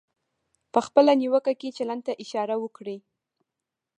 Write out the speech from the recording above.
په خپله نیوکه کې چلند ته اشاره وکړئ.